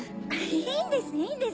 いいんですいいんです。